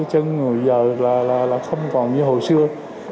nhưng giờ là không còn như hồi xưa